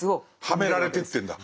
はめられてってるんだ。